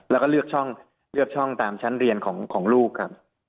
แล้วก็เลือกช่องตามชั้นเรียนของลูกครับ